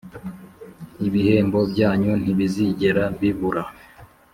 ibihembo byanyu ntibizigera bibura